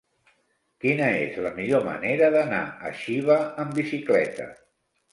Quina és la millor manera d'anar a Xiva amb bicicleta?